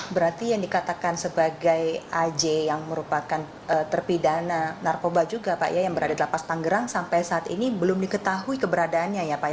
berarti yang dikatakan sebagai aj yang merupakan terpidana narkoba juga pak ya yang berada di lapas tanggerang sampai saat ini belum diketahui keberadaannya ya pak